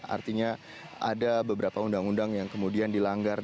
artinya ada beberapa undang undang yang kemudian dilanggar